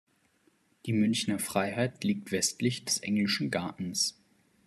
Die Münchner Freiheit liegt westlich des Englischen Gartens.